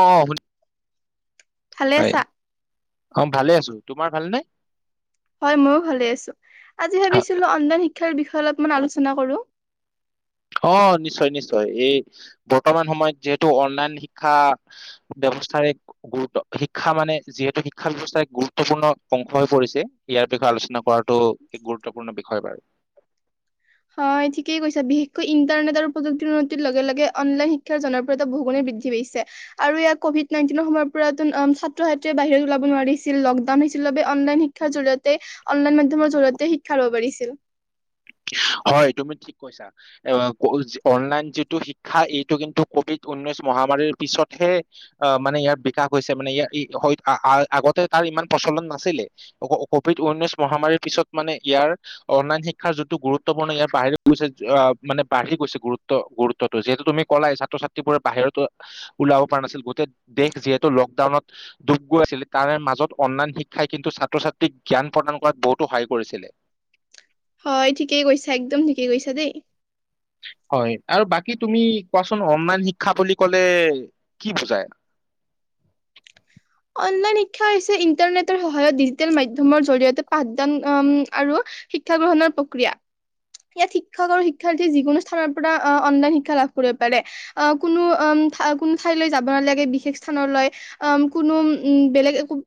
অ', অ' শুনি, ভালে হয়। আছা? অ' ভালে আছোঁ। তোমাৰ ভাল নে? হয় মইও ভালে আছোঁ। আজি হা, ভাবিছিলোঁ অনলাইন শিক্ষাৰ বিষয়ে অলপমান আলোচনা কৰোঁ। অ' নিশ্চয় নিশ্চয়, এই বৰ্তমান সময়ত যিহেতু অনলাইন শিক্ষা ব্যৱস্থাৰে গুৰুত্ব, শিক্ষা মানে যিহেতু শিক্ষা ব্যৱস্থাই গুৰুত্বপূৰ্ণ অংশ হৈ পৰিছে। ইয়াৰ বিষয়ে আলোচনা কৰাটো এক গুৰুত্বপূৰ্ণ বিষয় বাৰু। হয় ঠিকেই কৈছা, বিশেষকৈ ইণ্টাৰনেট আৰু প্ৰযুক্তিৰ উন্নতিৰ লগে লগে অনলাইন শিক্ষাৰ জনপ্ৰিয়তা বহুি বৃদ্ধি দি পাইছে। আৰু ইয়াত কভিড নাইণ্টিনৰ সময়ৰ পৰা তোন ছাত্ৰ ছাত্ৰীয়ে বাহিৰত ওলাব নোৱাৰিছিল, লকডাউন হৈছিল ভাবে অনলাইন শিক্ষাৰ জৰিয়তে, অনলাইন মাধ্যমৰ জৰিয়তে শিক্ষা ল'ব পাৰিছিল। হয় তুমি ঠিক কৈছা। [unintelligible] অনলাইন যিটো শিক্ষা এইটো কিন্তু কভিড উনৈশ মহামাৰীৰ পিছতহে আ, মানে ইয়াৰ বিকাশ হৈছে মানে ইয়াৰ [unintelligible] আ-আগতে তাৰ ইমান প্ৰচলন নাছিলে। ক-কভিড ঊনৈশ মহামাৰীৰ পিছত মানে ইয়াৰ অনলাইন শিক শিক্ষাৰ যিটো গুৰুত্বপূৰ্ণ ইয়াৰ [unintelligible] গৈছে আ, মানে বাঢ়ি গৈছে গুৰুত্ব গুৰুত্বটো, যিহেতু তুমি ক'লাই ছাত্ৰ ছাত তিবোৰে বাহিৰতো ওলাব পৰা নাছিল, গোটেই দেশ যিহেতু লকডাউনত ডুব গৈ আছিল তাৰে মাজত অনলাইন শিক্ষাই কিন্তু ছাত্ৰ ছাত্ৰীক জ্ঞান প্ৰদান কৰাত বহুতো সহায় কৰিছিলে। হয় ঠিকেই কৈছা, একদম ঠিকেই কৈছা দেই। হয় আৰু বাকী তুমি কোৱাচোন অনলাইন শিক্ষা বুলি ক'লে কি বুজাই? অনলাইন শিক্ষা হৈছে ইণ্টাৰনেটৰ সহায়ত, ডিজিটেল মাধ্যমৰ জৰিয়তে পাঠদান আৰু শিক্ষা গ্ৰহণৰ প্ৰক্ৰিয়া। ইয়াত শিক্ষক আৰু শিক্ষাৰ্থীয়ে যিকোনো স্থানৰ পৰা অনলাইন শিক্ষা লাভ কৰিব পাৰে। আহ, কোনো অ' কোনো ঠাইলৈ যাব নালাগে বিশেষ স্থানলৈ উ, কোনো উম, বেলেগ একো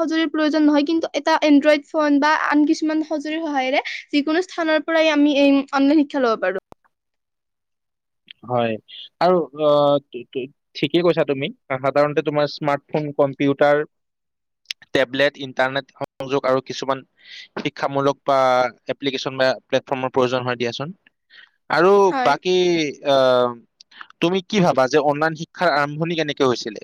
সঁজুলিৰ প্ৰয়োজন নহয় কিন্তু এটা এনড্ৰইড ফোন বা আন কিছুমান সঁজুলিৰ সহায়েৰে যিকোনো স্থানৰ প্পৰাই আমি এ, অনলাইন শিক্ষা ল'ব পাৰোঁ। হয় আৰু অ' ঠিকেই কৈছা তুমি, সাধাৰণতে তোমাৰ স্মাৰ্টফোন, কম্পিউটাৰ টেবলেট, ইন্টাৰনেট, সংযোগ আৰু কিছুমান শিক্ষামূলক বা এপ্লিকীচন বা প্লেটফৰ্মৰ প্ৰয়োজন হয় দিয়াচোন। আৰু হয় বাকী আহ, তুমি কি ভাবা যে অনলাইন শিক্ষাৰ আৰম্ভণি কেনেকে হৈছিলে?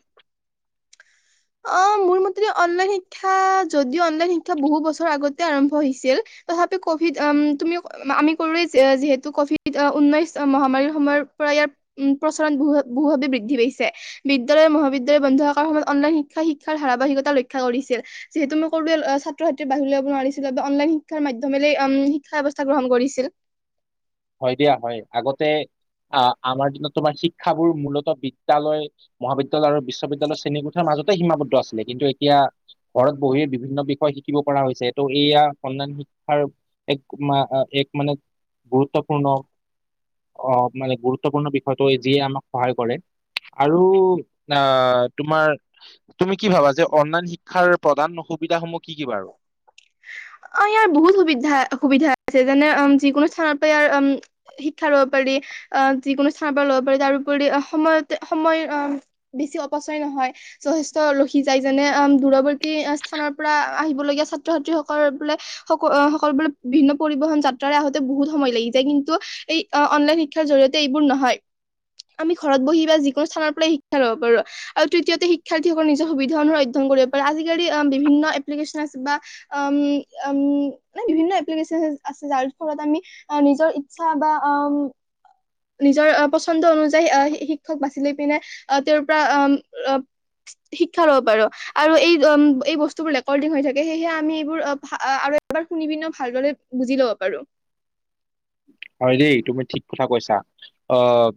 অ', মোৰ মতে অনলাইন শিক্ষা যদিও অনলাইন শিক্ষা বহু বছৰ আগতে আৰম্ভ হিছিল তথাপিও কভিড অম, তুমিও আমি কৰোৱেই যে যিহেতু কভিড ঊনৈশ মহামাৰীৰ সময়ৰ পৰা ইয়াত উম, প্ৰচলন বহু- বহুভাৱে বৃদ্ধি পাইছে। বিদ্যালয় মহাবিদ্যালয় বন্ধ থকাৰ সময়ত অনলাইন শিক্ষা শিক্ষা শিক্ষাৰ ধাৰাবাহিকতা ৰক্ষা কৰিছিল। যিহেতু মই ক'লোৱেই ছাত্ৰ ছাত্ৰীয়ে বাহিৰ ওলাই যাব নোৱাৰিছিলে বা অনলাইন শিক্ষাৰ মাধ্যমেৰে উম, শিক্ষা ব্যৱস্থা গ্ৰহণ কৰিছিল। হয়, দিয়া হয়। আগতে আহ, আমাৰ দিনত তোমাৰ শিক্ষাবোৰ মূলত বিদ্যালয় মহাবিদ্যালয় আৰু বিশ্ববিদ্যালয়ৰ শ্ৰেণীকোঠাৰ মাজতে সীমাবদ্ধ আছিলে কিন্তু এতিয়া ঘৰত বহিয়ে বিভিন্ন বিষয় শিকিব পৰা হৈছে, এইটো এয়া অনলাইন শিক্ষাৰ এক মা এক মানে গুৰুত্বপূৰ্ণ অ', মানে গুৰুত্বপূৰ্ণ বিষয়টো যিয়ে আমাক সহায় কৰে। আৰু আ, তোমাৰ তুমি কি ভাবা যে অনলাইন শিক্ষাৰ প্ৰধান অসুবিধাসমূহ কি, কি বাৰু? অ', ইয়াৰ বহুত সুবিধা, সুবিধা আছে যেনে যিকোনো স্থানৰ পৰা ইয়াৰ উম শিক্ষা ল'ব পাৰি আহ যিকোনো স্থানৰ পৰা ল'ব পাৰি। তাৰপৰি সময়তে সময় আহ বেছি অপচয় নহয়। যথেষ্ট ৰখি যায় যেনে দূৰৱৰ্তী স্থানৰ পৰা আহিব লগীয়া ছাত্ৰ ছাত্ৰীসকল বোলে সকলো সকলোলে ভিন্ন পৰিবহন যাত্ৰাৰে আহোতে বহুত সময় লাগি যায়, কিন্তু এই অনলাইন শিক্ষাৰ জৰি়য়তে এইবোৰ নহয়। আমি ঘৰত বহি বা যিকোনো স্থানৰ পৰাই শিক্ষা ল'ব পাৰোঁ। আৰু তৃতীয়তে শিক্ষাৰ্থীসকল নিজৰ সুবিধা অনুসৰি অধয়ন কৰিব পাৰে। আজিকালি বিভিন্ন এপ্লিকেশ্যন আছে বা অ', উম অম, মানে বিভিন্ন এপ্লিকেশচন আছে। যাৰ ফলত আমি নিজৰ ইচ্ছা বা আম নিজৰ পচন্দ অনুযায়ী আহ, শিক্ষক বাছি লৈ পিনে আহ তেওঁৰ পৰা আহ শিক্ষা ল'ব পাৰোঁ। আৰু এই, এই বস্তুবোৰ ৰেকৰ্ডিং হৈ থাকে। সেয়েহে আমি এইবোৰ আৰু এবাৰ শুনি পিনেও ভালদৰে বুজি ল'ব পাৰোঁ। হয়, দেই। তুমি ঠিক কথা কৈছা। আহ,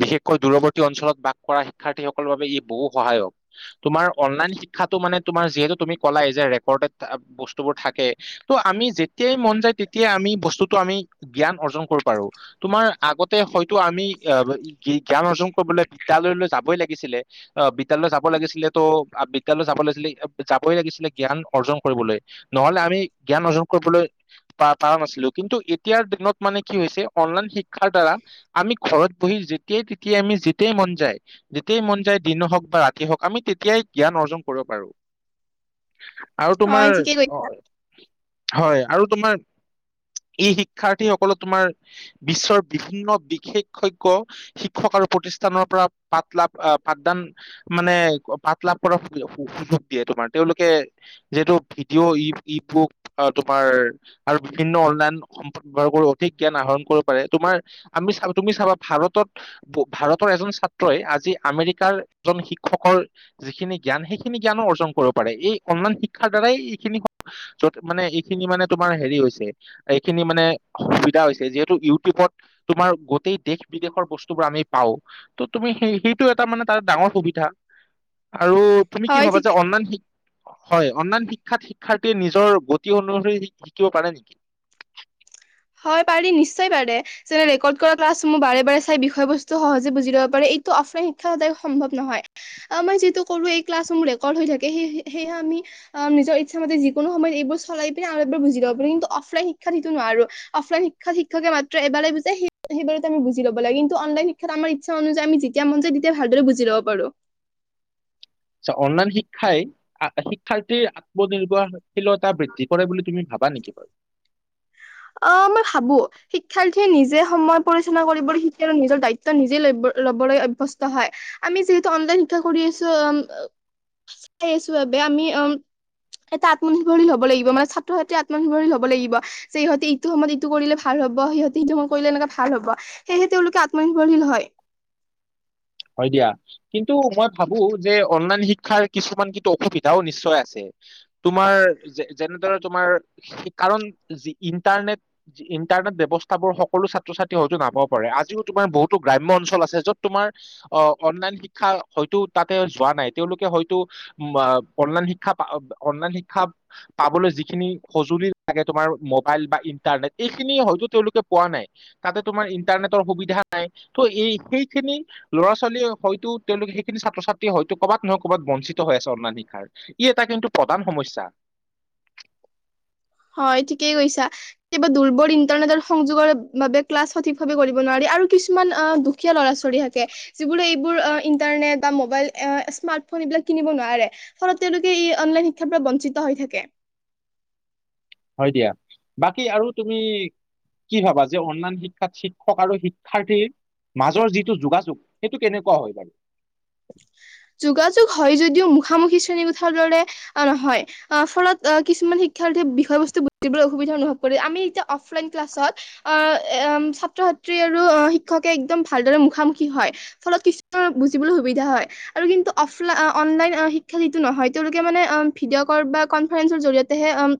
বিশেষকৈ দূৰৱৰ্তী অঞ্চলত বাস কৰা শিক্ষাৰ্থীসকলৰ বাবে ই বহু সহায়ক। তোমাৰ অনলাইন শিক্ষাটো মানে তোমাৰ যিহেতু তুমি ক'লাই যে ৰেকৰ্ডেড বস্তুবোৰ থাকে। ত' আমি যেতিয়াই মন যায়, তেতিয়াই আমি বস্তুটো আমি জ্ঞান অৰ্জন কৰিব পাৰোঁ। তোমাৰ আগতে হয়তো আমি অ', জ্ঞান অৰ্জন কৰিবলৈ বিদ্যালয়লৈ যাবই লাগিছিলে। অ', বিদালয়লৈ যাব লাগিছিলে ত' বিদালয়লৈ যাব লাগিছিলে যাবই লাগিছিলে, জ্ঞান অৰ্জন কৰিবলৈ। নহ'লে আমি জ্ঞান অৰ্জন কৰিবলৈ বা পাৰা নাছিলোঁ কিন্তু এতিয়াৰ দিনত মানে কি হৈছে, অনলাইন শিক্ষাৰ দ্বাৰা আমি ঘৰত বহি যেতিয়াই, তেতিয়াই আমি যেতিয়াই মন যায় যেতিয়াই মন যায় দিন হওঁক বা ৰাতি হওঁক আমি তেতিয়াই জ্ঞান অৰ্জন কৰিব পাৰোঁ। আৰু হয় তোমাৰ ঠিকে কৈছা অ', হয়, আৰু তোমাৰ এই শিক্ষাৰ্থী সকলো তোমাৰ বিশ্বৰ বিভিন্ন বিশেষজ্ঞ শিক্ষক আৰু প্ৰতিষ্ঠানৰ পৰা পাঠলাভ অ', পাঠদান মানে পাঠলাভ পৰা [unintelligible] যোগ দিয়ে তোমাৰ, তেওঁলোকে এটো ভিডিঅ ই-ই বুক তোমাৰ আৰু বিভিন্ন অনলাইন সম্পদ ব্যৱহাৰ [unintelligible] আহৰণ কৰিব পাৰে। তোমাৰ আমি, তুমি চাবা ভাৰতত ভাৰতৰ এজন ছাত্ৰই আজি আমেৰিকাৰ এজন শিক্ষকৰ যিখিনি জ্ঞান সেইখিনি জ্ঞানৰ অৰ্জন কৰিব পাৰে, এই কণমান শিক্ষাৰ দ্বাৰাই এইখিনি তয'ত মানে এইখিনি মানে তোমাৰ হেৰি হৈছে। এইখিনি মানে সূবিধা হৈছে যিহেতু ইউটিউবত তোমাৰ গোটে দেশ বিদেশৰ বস্তুবোৰ আমি পাও। ' তুমি সেই-সেইটো এটা মানে ত ডাঙৰ সুবিধা আৰু তুমি হয় কিভাবা ঠিকে অনলাইনশিক্ষা। হয় অনলাইন শিক্ষাত শিক্ষাৰ্থী নিজৰ গতি অনুসৰি শিকিব পাৰে নেকি। হয় পাৰি নিশ্চয় পাৰে। যেনে ৰেকৰ্ড কৰা ক্লাছমুৰ বাৰে বাৰে চাই বিষয় বস্তু সহজে বুজি লব পাৰে এইটো অফলাইন শিক্ষা সদায় সম্ভৱ নহয়। অ', মই যিটো কৰো এই ক্লাছ ৰ ৰেকৰ্ড হৈ থাকে হ-হেয়া আমি। অ', নিজৰ ইচ্ছামতে যিকোনো সময়ত এবোৰ চলাই পিনে আৰু এবাৰ বুজি ল'ব পাৰে কিন্তু, অফলাইন শিক্ষাত সেইটো নোৱাৰো। অফলাইন শিক্ষাত শিক্ষকে মাত্ৰ এই বাৰে বুজাই হেবাৰতে আমি বুজি লব লাগে কিন্তু অনলাইন শিক্ষাত আমাৰ চা অনুযায় আমি যেতিয়া মন যায় তেতিয়া ভালদৰেুজি'ব পাৰো। আ, অনলাইন শিক্ষাই। শিক্ষাৰ্থী আত্মনিৰ্ভৰশীল বৃদ্ধি কৰে বুলি তুমি ভাবা নেকি বাৰু। অ', মই ভাবো। শিক্ষাৰ্থীয়ে নিজে সময় পৰিসোণ কৰিবলৈ শিকিল নিজৰ দায়িত্ব নিজেই ল-লবলৈ অৱস্ত হয়। আমি যিহেতু অনলাইন শিক্ষা কৰি আছো, চাই আছো বে আমি উম এটা আপোনাক ল'ব লাগিব মান ছাত্ৰ হেটে আত্মনিৰ্ভৰীল হব লাগিব। সিহঁতে ইটো সময়ত ইটো কৰিলে ভাল হ'ব সিহঁতে, ইটো সময় কৰিলে এনেকা ভাল হ'ব। সেয়েহে তেওঁলোকে আত্মনিৰ্ৰশীল হয়। হয় দিয়া। কিন্তু, মই ভাবো যে অনলাইন শিক্ষাৰ কিছুমান কিন্তু অসুবিধাও নিশ্চয় আছে। তোমাৰ যেনেদৰে তোমাৰ কাৰণ যি ইন্টাৰনেট ইণ্টাৰনেট ব্যৱস্থাবোৰ সকলো ছাত্ৰ, ছাত্ৰীয়ে হয়তো নাপাব পাৰে আজিও তোমাৰ বহুতো গ্ৰাম্য অঞ্চল আছে য'ত তোমাৰ অ', অনলাইন শিক্ষা হয়তো তাতে যোৱা নাই, তেওঁলোকে হয়টো বাঅনলাইন শিক্ষা, অনলাইন শিক্ষা। পাবলৈ যিখিনি সঁজুলি লাগে তোমাৰ মোবাইল বা ইন্টাৰনেট এইখিনি হয়তো তেওঁলোকে পোৱা নাই। তাতে তোমাৰ ইণ্টাৰনেটৰ সুবিধা নাই ত এই সেইখিনি ল'ৰা, ছোৱালীয়ে হয়তো তেওঁলোক সেইখিনি ছাত্ৰ, ছাত্ৰীয়ে হয়তো ক'বাত নহয় ক'ৰবাত বঞ্চিত হৈ আছে অনন শিক্ষাৰ। ই এটা কিন্তু প্ৰদান সমইছা। হয়, তেখেতে কৈছে। কিবা দুৰ্বল ইন্টাৰনেটৰ সংযোগৰ বাবে ক্লাছ সঠিক ভাৱে কৰিব নোৱাৰি আৰু কিছুমান অ' সুীয়া ল'ৰা, ছোৱালী হতে যিবোৰে এইবোৰ ইণ্টাৰনেট বা মোবাইল স্মাৰ্টফোন এইবিলাক কিনিব নোৱাৰে। অ', তেওঁলোকে ই অনলাইন শিক্ষাৰ পৰা বঞ্চিত হৈ থাকে। হয় দিয়া, বাকী আৰু তুমি কি ভাবা যে অনলাইন শিক্ষাত শিক্ষক আৰু শিক্ষাৰ্থীৰ মাজৰ যিটো যোগাযোগ সেইটো কেনেকুৱা হয় বাৰু। যোগাযোগ হয় যদিও মুখামুখি শ্ৰেণী কোঠাৰ দৰে নহয় আঁ, ফলত কিছুমান শিক্ষাৰ্থীয়ে বিষয় বস্তু বুজিবলৈ অসুবিধা অনুভৱ কৰে, আমি এতিয়া অফলাইন ক্লাছত আহ, এম, ছাত্ৰ ছাত্ৰী আৰু শিক্ষকে একদম ভালদৰে মুখামুখি হয় ফলত কিছু বুজিবলৈ সুবিধা হয় আৰু কিন্তু অফলাই অনলাইন শিক্ষা সিটো নহয় তেওঁলোকে মানে আ ভিডিঅ' কল বা কনফাৰেন্সৰ জৰিয়তে হে আম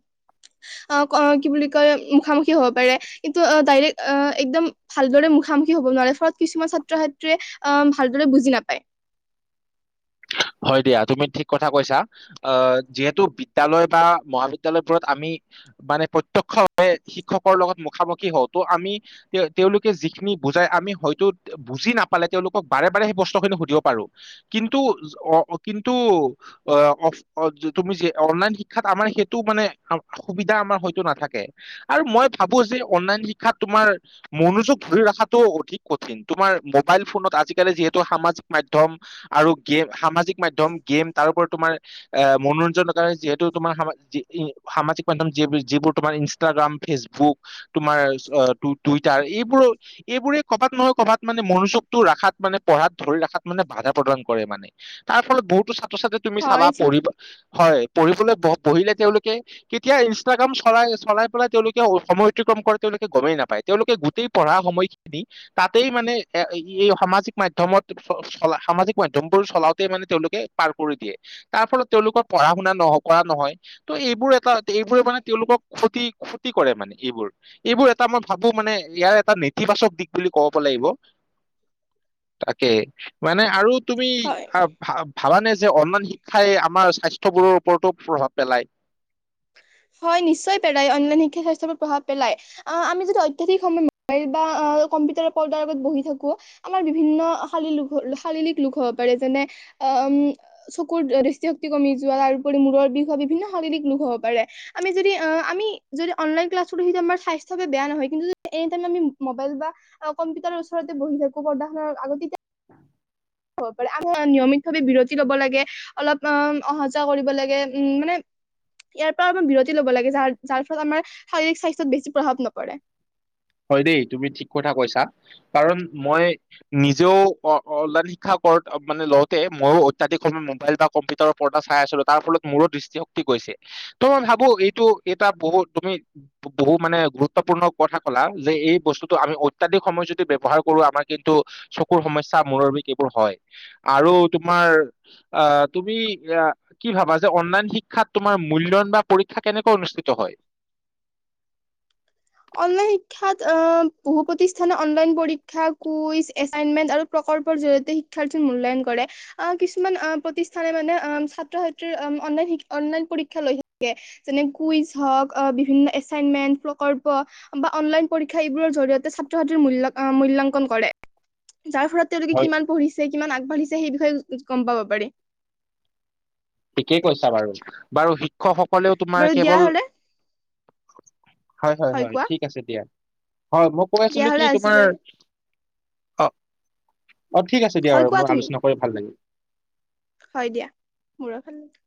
অ কি বুলি কয় মুখামুখি হ'ব পাৰে কিন্তু ডাইৰেক্টএকদম ভালদৰে মুখামুখি হ'ব নোৱাৰে ফলত কিছুমান ছাত্ৰ ছাত্ৰীয়ে আম, ভালদৰে বুজি নাপায়। হয় দিয়া। তুমি ঠিক কথা কৈছা। আহ, যিহেতু বিদ্যালয় বা মহাবিদ্যালয়বোৰত আমি মানে প্ৰতক্ষ্যভাৱে শিক্ষকৰ লগত মুখা-মুখি হওঁ, ত' আমি তে-তেওঁলোকে যিখিনি বুজাই, আমি হয়তো বুজি নাপালে তেওঁলোকক বাৰে-বাৰে সেই প্ৰশ্ন খিনি সুধিব পাৰো। কিন্তু, অ' কিন্তু [unintelligible] অনলাইন শিক্ষাত আমাৰ সেইটো মানে সুবিধা আমাৰ হয়তো নাথাকে, আৰু মই ভাবো যে অনলাইন শিক্ষাত তোমাৰ মনোযোগ ধৰি ৰখাটো অধিক কঠিন। তোমাৰ মোবাইল ফোনত আজিকালি যিহেতু সামাজিক মাধ্যম আৰু গেম, সামাজিক মাধ্যম, গেম তাৰ ওপৰত তোমাৰ এ, মনোৰঞ্জনৰ [unintelligible] ইনষ্টগ্ৰাম, ফেচবুক, তোমাৰ টুইটাৰ এইবোৰে এইবোৰেই কবাত নহয় কবাত মানে মনোযোগটো ৰখাত মানে পঢ়াত ধৰি ৰখাত মানে বাধা প্ৰদান কৰে মানে, তাৰ ফলত বহুতো ছাত্ৰ-ছাত্ৰী তুমি চাবা, হয় ঠিক পঢ়িবা হয়, পঢ়িবলৈ বহিলে তেওঁলোকে কেতিয়া ইনষ্টাগ্ৰাম চলাই-চলাই পেলাই তেওঁলোকে সময় অতিক্ৰম কৰে, তেওঁলোকে গমেই নাপায়। তেওঁলোকে গোটেই পঢ়া সময় খিনি তাতেই মানে এ, এই সামাজিক মাধ্যমত [unintelligible] সামাজিক মাধ্যমবোৰ চলাওঁতে মানে তেওঁলোকে পাৰ কৰি দিয়ে। তাৰ ফলত তেওঁলোকৰ পঢ়া-শুনা [unintelligible] নহয়। ত', এইবোৰ এটা এইবোৰে মানে তেওঁলোকক ক্ষতি-ক্ষতি কৰে মানে এইবোৰ এইবোৰ এটা মই ভাবো মানে ইয়াৰ এটা নেতিবাচক দিশ বুলি ক'ব লাগিব। তাকে। মানে আৰু তুমি হয় ভা-ভা ভাবানে যে, অনলাইন শিক্ষাই আমাৰ স্বাস্থ্য বোৰৰ ওপৰতো প্ৰভাৱ পেলায়? হয়, নিশ্চয় পেলায়। অনলাইন শিক্ষাই স্বাস্থ্যৰ ওপৰত প্ৰভাৱ পেলায়। আ, আমি যদি অত্যাধিক সময় মোবাইল বা কম্পিউটাৰৰ পৰ্দাৰ আগত বহি থাকো আমাৰ বিভিন্ন [unintelligible] ৰোগ হ'ব পাৰে, যেনে আহ, উম চকুৰ দৃষ্টিশক্তি কমি যোৱা, তাৰোপৰি মূৰৰ বিষ হোৱা, বিভিন্ন শাৰীৰিক ৰোগ হ'ব পাৰে। আমি যদি আহ, আমি যদি অনলাইন ক্লাছ কৰো সেইটো আমাৰ স্বাস্থ্যৰ বাবে বেয়া নহয়, কিন্তু যদি এনিটাইম আমি মোবাইল বা অ, কম্পিউটাৰৰ ওচৰতে বহি থাকো পৰ্দাখনৰ আগত, তেতিয়া [inaudible] হ'ব পাৰে আৰু নিয়মিতভাৱে বিৰতি ল'ব লাগে। অলপ অম, অহা-যোৱা কৰিব লাগে, উম, মানে ইয়াৰ পৰা আমাৰ বিৰতি ল'ব লাগে। যাৰ-যাৰ ফলত আমাৰ শাৰীৰিক স্বাস্থ্যত বেছি প্ৰভাৱ নপৰে। হয় দেই, তুমি ঠিক কথা কৈছা। কাৰণ মই নিজেও অন অনলাইন শিক্ষা কৰ মানে লওঁতে, ময়ো অত্যাধিক সময় মোবাইল বা কম্পিউটাৰৰ পৰ্দা চাই আছিলো, তাৰ ফলত মোৰো দৃষ্টিশক্তি গৈছে। ত', মই ভাবো এইটো এটা বহু তুমি বহু মানে গুৰুত্বপূৰ্ণ কথা ক'লা যে, এই বস্তুটো আমি অত্যাধিক সময় যদি ব্যৱহাৰ কৰো, আমাৰ কিন্তু চকুৰ সমস্যা, মুৰৰ বিষ এইবোৰ হয়। আৰু তোমাৰ আহ, তুমি আহ কি ভাবা যে, অনলাইন শিক্ষাত তোমাৰ মূল্যয়ন বা পৰীক্ষা কেনেকৈ অনুষ্ঠিত হয়? অনলাইন শিক্ষাত অহ, বহু প্ৰতিষ্ঠানে অনলাইন পৰীক্ষা, কুইজ, এচাইনমেন আৰু প্ৰকল্পৰ জৰিয়তে শিক্ষাৰ্থী মূল্যায়ন কৰে। আহ, কিছুমান আহ, প্ৰতিষ্ঠানে মানে ছাত্ৰ-ছাত্ৰীৰ অনলাইন-অনলাইন পৰীক্ষা লৈ থাকে। যেনে কুইজ হওঁক, বিভিন্ন এচাইনমেন, প্ৰকল্প প বা অনলাইন পৰীক্ষা এইবোৰৰ জৰিয়তে ছাত্ৰ-ছাত্ৰীৰ মূল অ, মূল্যাংকন কৰে। যাৰ ফলত তেওঁলোকে কিমান পঢ়িছে, কিমান আগবাঢ়িছে সেই বিষয়ে গম পাব পাৰে। ঠিকেই কৈছা বাৰু-বাৰু শিক্ষকসকলেও তোমাৰ বাৰু দিয়া কেৱল হলে হয়- হয়-হয় ঠিক আছে দিয়া হয় মই কৈ দিয়া আছিলো হলে কি তোমাৰ আজিলৈ অ', অ', ঠিক আছে দিয়া হয় বাৰু কোৱা মোৰ তুমি। আলোচনা কৰি ভাল লাগিল। হয় দিয়া মোৰ ভাল [unintelligible]